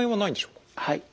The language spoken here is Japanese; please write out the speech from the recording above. はい。